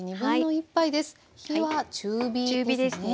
火は中火ですね。